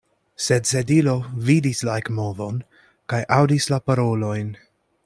Sed Sedilo vidis la ekmovon kaj aŭdis la parolojn.